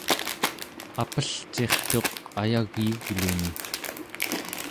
apelcirtuq ayagyugluni